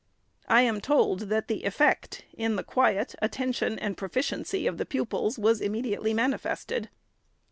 I am told, that the effect in the quiet, attention and proficiency of the pupils, was immediately manifested.